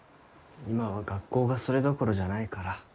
今は学校がそれどころじゃないから。